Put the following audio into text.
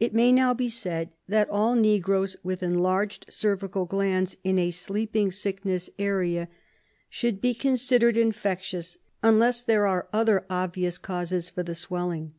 It may now be said that all negroes with enlarged cervical glands in a sleeping sickness area should be con c 2 14 RESEARCH DEFENCE SOCIETY siderecl infections unless there are other obvious causes for the swelling.